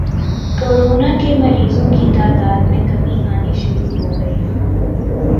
corona کے مریضوں کی تعداد میں کمی آنی شروع ہو گئی ہے